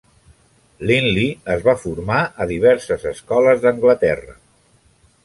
Linley es va formar a diverses escoles d'Anglaterra.